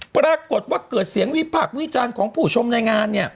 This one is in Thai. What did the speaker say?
ปรากฏว่าเกิดเสียงวิพากษ์วิจารณ์ของผู้ชมในงานเนี่ย